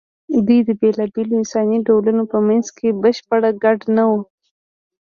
دوی د بېلابېلو انساني ډولونو په منځ کې بشپړ ګډ نه وو.